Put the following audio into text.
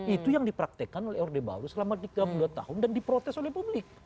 itu yang dipraktekan oleh orde baru selama tiga puluh dua tahun dan diprotes oleh publik